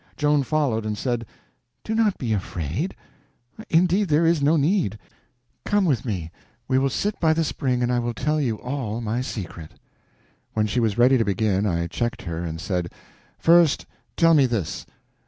Joan followed, and said: "Do not be afraid; indeed there is no need. Come with me. We will sit by the spring and I will tell you all my secret." When she was ready to begin, I checked her and said: "First tell me this.